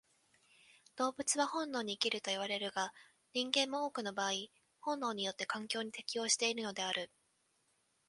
動物は本能に生きるといわれるが、人間も多くの場合本能によって環境に適応しているのである。